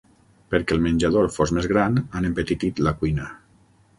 Perquè el menjador fos més gran, han empetitit la cuina.